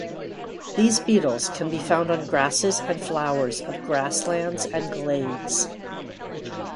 These beetles can be found on grasses and flowers of grasslands and glades.